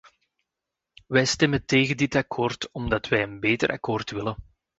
Wij stemmen tegen dit akkoord omdat wij een beter akkoord willen.